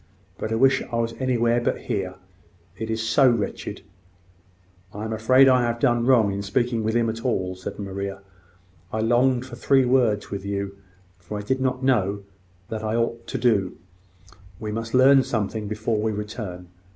But I wish I was anywhere but here it is so wretched!" "I am afraid I have done wrong in speaking with him at all," said Maria. "I longed for three words with you; for I did not know what I ought to do. We must learn something before we return.